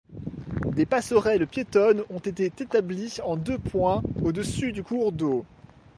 Des passerelles piétonnes ont été établies en deux points, au-dessus du cours d'eau.